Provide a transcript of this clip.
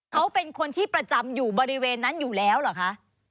เขาเป็นคนที่ประจำอยู่บริเวณนั้นอยู่แล้วเหรอคะ